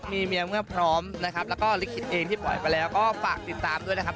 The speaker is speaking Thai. ก็ฝากผลงานของพวกเราด้วยนะครับ